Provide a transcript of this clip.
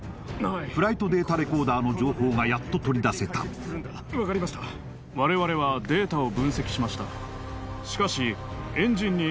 フライトデータレコーダーの情報がやっと取り出せた我々はデータを分析しました